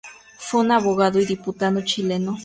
Fue un abogado y diputado chileno.